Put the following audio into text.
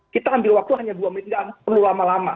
kita ambil waktu hanya dua menit dan perlu lama lama